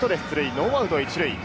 ノーアウト１塁。